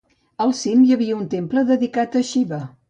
Al cim hi havia un temple dedicat a Xiva.